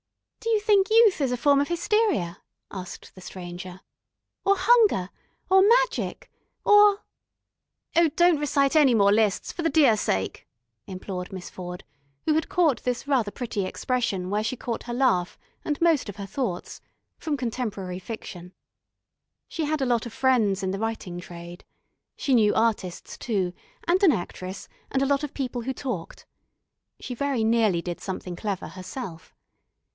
"Do you think youth is a form of hysteria?" asked the Stranger. "Or hunger? Or magic? Or " "Oh, don't recite any more lists, for the Dear Sake!" implored Miss Ford, who had caught this rather pretty expression where she caught her laugh and most of her thoughts from contemporary fiction. She had a lot of friends in the writing trade. She knew artists too, and an actress, and a lot of people who talked. She very nearly did something clever herself.